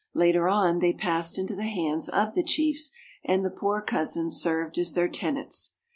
Later on, they passed into the hands of the chiefs, and the poor cousins served as their tenants.